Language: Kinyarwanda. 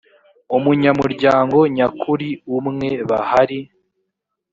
umunyamuryango nyakuri umwe bahari